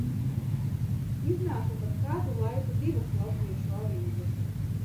Iznāca pat kādu laiku divas latviešu avīzes.